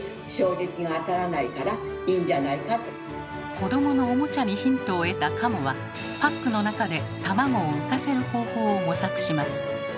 子どものおもちゃにヒントを得た加茂はパックの中で卵を浮かせる方法を模索します。